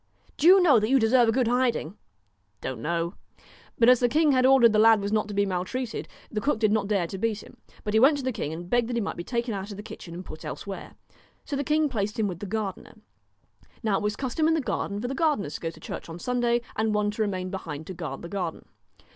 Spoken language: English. * Do you know that you deserve a good hiding.' 1 Don't know.' But as the king had ordered that the lad was not to be maltreated, the cook did not dare to beat him ; but he went to the king and begged that he might be taken out of the kitchen and put elsewhere. So the king placed him with the gardener. Now it was the custom in the garden for the gar deners to go to church on Sunday, and one to remain behind to guard the garden.